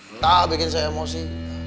entah bikin saya emosi